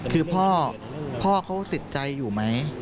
คือพ่อเขาติดใจอยู่ไหม